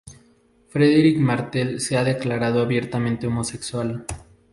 Frederic Martel se ha declarado abiertamente homosexual.